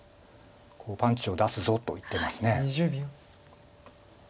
「パンチを出すぞ」と言ってます。